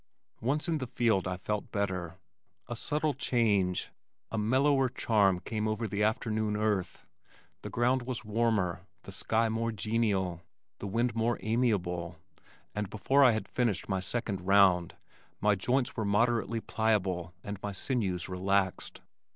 Once in the field, I felt better. A subtle change, a mellower charm came over the afternoon earth. The ground was warmer, the sky more genial, the wind more amiable, and before I had finished my second "round" my joints were moderately pliable and my sinews relaxed.